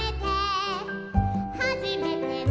「はじめての」